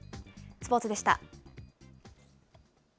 スポーツでした。